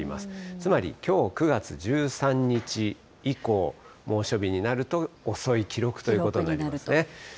つまりきょう９月１３日以降、猛暑日になると遅い記録ということになりますね。